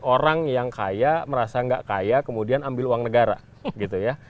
orang yang kaya merasa nggak kaya kemudian ambil uang negara gitu ya